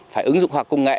phải ứng dụng hòa công nghệ